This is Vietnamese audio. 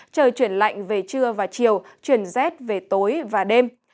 trời chuyển lạnh về trưa và chiều chuyển rét về tối và đêm